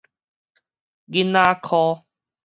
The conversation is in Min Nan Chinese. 囡仔科